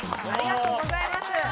ありがとうございます。